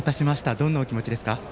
どんなお気持ちですか？